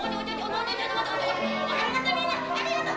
ありがとう！